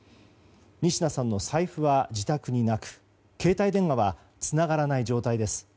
仁科さんの財布は自宅になく携帯電話はつながらない状態です。